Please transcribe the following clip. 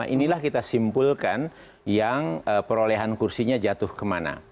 inilah kita simpulkan yang perolehan kursinya jatuh kemana